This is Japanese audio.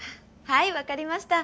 はいわかりました。